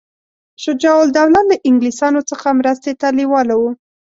شجاع الدوله له انګلیسیانو څخه مرستې ته لېواله وو.